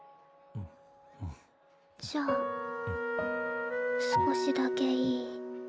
じゃあ少しだけいい？